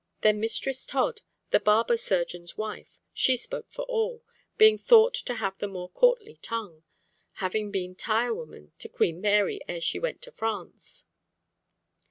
Then Mistress Todd, the barber surgeon's wife, she spoke for all, being thought to have the more courtly tongue, having been tirewoman to Queen Mary ere she went to France.